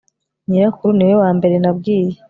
nyirakuru niwe wambere nabwiye